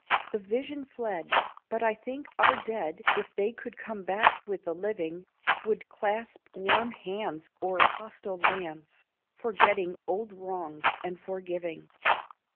The vision fled; but I think our dead, If they could come back with the living, Would clasp warm hands o'er hostile lands, Forgetting old wrongs and forgiving.